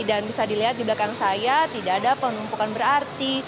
dan bisa dilihat di belakang saya tidak ada penumpukan berarti